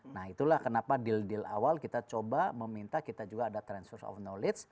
nah itulah kenapa deal deal awal kita coba meminta kita juga ada transfer of knowledge